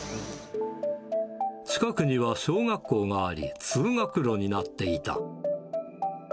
近くには小学校があり、通学路になっていた。